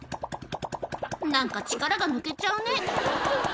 何か力が抜けちゃうね